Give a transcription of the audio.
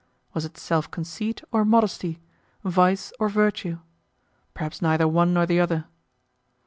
Was it self conceit or modesty, vice or virtue? Perhaps neither one nor the other.